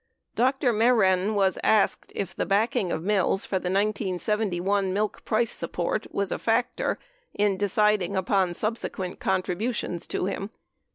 Dr. Mehren was asked if the backing of Mills for the 1971 milk price support was a factor in deciding upon subsequent contributions to him.